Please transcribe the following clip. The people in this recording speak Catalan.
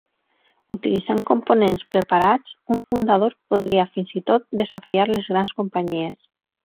Utilitzant components preparats, un fundador podria fins i tot desafiar les grans companyies.